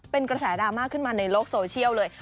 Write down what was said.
เป็นกระแสดราม่าขึ้นมาในโลกโซเชียลเลย